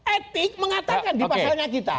etik mengatakan di pasalnya kita